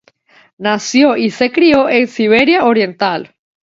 Nació y se crio en Siberia oriental.